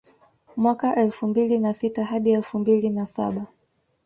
Mwaka elfu mbili na sita hadi elfu mbili na saba